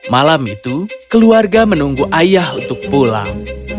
malam itu keluarga menunggu ayah untuk pulang